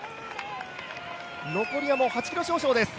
残りはもう８ｋｍ少々です。